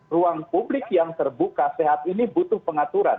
ruang publik yang terbuka sehat ini butuh pengaturan